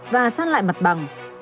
và săn lại mặt bằng